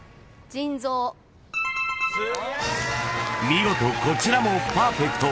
［見事こちらもパーフェクト］